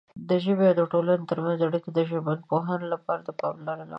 د ژبې او ټولنې ترمنځ اړیکې د ژبپوهانو لپاره د پاملرنې وړ دي.